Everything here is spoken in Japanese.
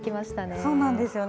そうなんですよね。